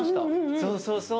そうそうそう。